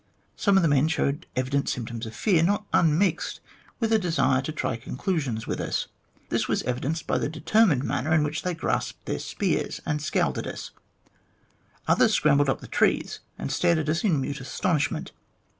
Some of the men showed evident symptoms of fear, not unmixed with a desire to try conclusions with us. This was evidenced by the determined manner in which they grasped their spears and scowled at us. Others scrambled up the trees and stared at us in mute astonishment.